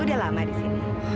udah lama disini